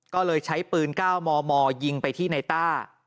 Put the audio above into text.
ก็เลยใช้ปืน๙มมยิงไปที่ในต้า